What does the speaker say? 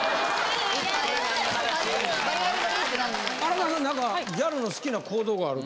荒川さん何かギャルの好きな行動がある？